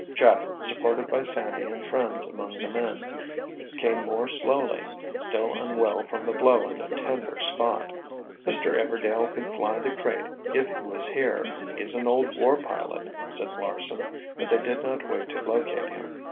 Jeff, supported by Sandy and friends among the men, came more slowly, still unwell from the blow in a tender spot. "Mr. Everdail could fly the crate if he was here—he's an old war pilot," said Larsen, but they did not wait to locate him.